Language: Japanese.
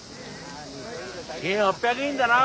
１，８００円だな。